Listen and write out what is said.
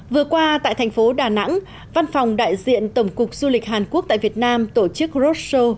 vừa qua tại thành phố đà nẵng văn phòng đại diện tổng cục du lịch hàn quốc tại việt nam tổ chức roshow